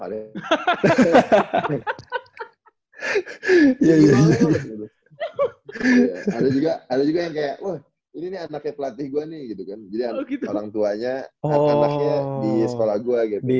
ada juga yang kayak wah ini nih anaknya pelatih gue nih gitu kan jadi orang tuanya anak anaknya di sekolah gue gitu